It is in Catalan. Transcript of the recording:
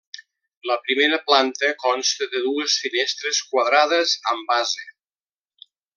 La primera planta consta de dues finestres quadrades amb base.